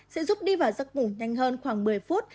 sẽ giúp đi vào giấc ngủ nhanh hơn khoảng một mươi phút